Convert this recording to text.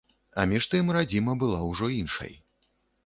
А між тым, радзіма была ўжо іншай.